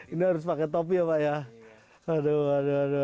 ini harus pakai topi ya pak ya aduh aduh